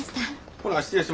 ほな失礼します。